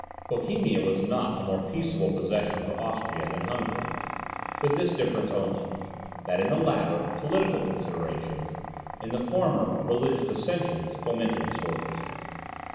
Bohemia was not a more peaceable possession for Austria than Hungary; with this difference only, that, in the latter, political considerations, in the former, religious dissensions, fomented disorders.